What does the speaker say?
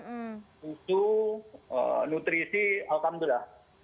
susu nutrisi alhamdulillah